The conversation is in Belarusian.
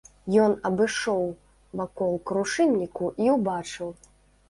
Ён абышоў вакол крушынніку і ўбачыў.